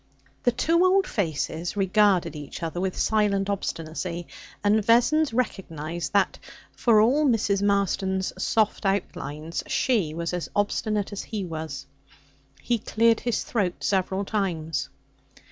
The two old faces regarded each other with silent obstinacy, and Vessons recognized that, for all Mrs. Marston's soft outlines, she was as obstinate as he was. He cleared his throat several times.